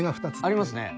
ありますね。